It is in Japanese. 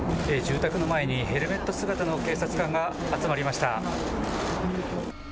住宅の前にヘルメット姿の警察官が集まりました。